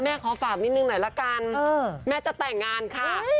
ขอฝากนิดนึงหน่อยละกันแม่จะแต่งงานค่ะ